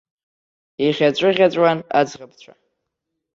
Иӷьаҵәыӷьаҵәуан аӡӷабцәа.